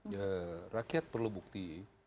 ya rakyat perlu bukti